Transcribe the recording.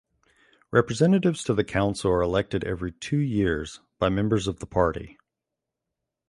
Representatives to the council are elected every two years by members of the party.